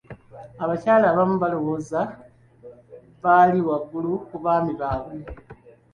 Abakyala abamu baalowooza bali waggulu ku baami baabwe.